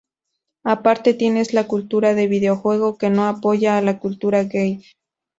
Aparte tienes la cultura de videojuego que no apoya a la cultura gay.